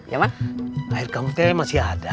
ya mang air kamu masih ada